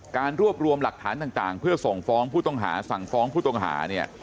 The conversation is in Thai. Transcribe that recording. การรวบรวมหลักฐานต่างเพื่อส่งฟ้องผู้ต้องหาสั่งฟ้องผู้ต้องหาเนี่ย